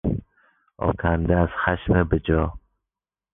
آکنده از خشم بجا